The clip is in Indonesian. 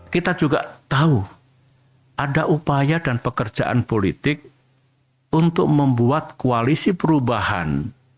kita juga tahu ada upaya dan pekerjaan politik untuk membuat koalisi perubahan